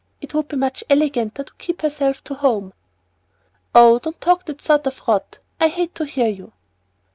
It would be much eleganter to keep herself to home " "Oh, don't talk that sort of rot; I hate to hear you."